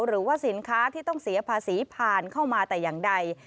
หรือว่าสินค้าที่ต้องเสียภาษีผ่านเข้ามาแต่อย่างใด